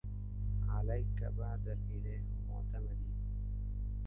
عليك بعد الإله معتمدي